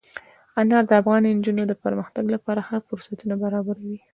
انار د افغان نجونو د پرمختګ لپاره ښه فرصتونه برابروي.